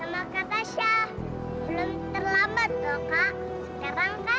lepasin pak randy